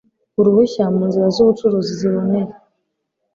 uruhushya mu nzira z ubucuruzi ziboneye